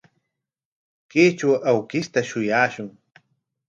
Kaytraw awkishta shuyashun.